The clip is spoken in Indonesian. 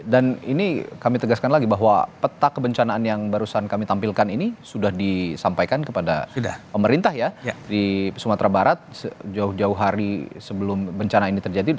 dan ini kami tegaskan lagi bahwa peta kebencanaan yang barusan kami tampilkan ini sudah disampaikan kepada pemerintah ya di sumatera barat jauh jauh hari sebelum bencana ini terjadi